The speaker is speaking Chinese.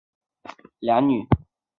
他们有一子两女。